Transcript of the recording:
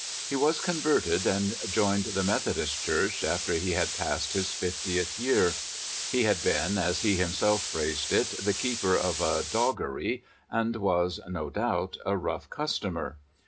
He was converted, and joined the Methodist Church, after he had passed his fiftieth year. He had been, as he himself phrased it, the keeper of a "doggery," and was no doubt a rough customer.